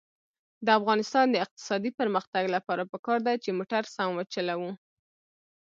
د افغانستان د اقتصادي پرمختګ لپاره پکار ده چې موټر سم وچلوو.